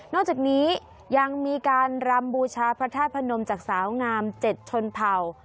จากนี้ยังมีการรำบูชาพระธาตุพนมจากสาวงาม๗ชนเผ่า